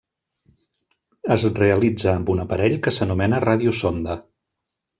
Es realitza amb un aparell que s'anomena radiosonda.